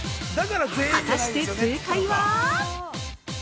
◆果たして正解は。